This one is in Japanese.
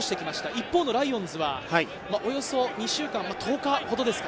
一方のライオンズはおよそ２週間、１０日ほどですか？